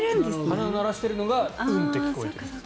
鼻を鳴らしているのがうんと聞こえる。